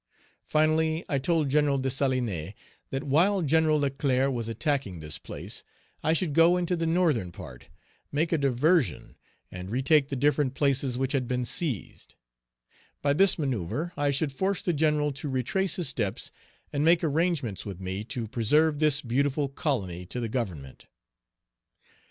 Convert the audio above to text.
Finally, I told Gen. Dessalines that while Gen. Leclerc was attacking this place, I should go into the Northern part, make a diversion, and retake the different places which had been seized; by this manoeuvre, I should force the general to retrace his steps and make arrangements with me to preserve this beautiful colony to the Government.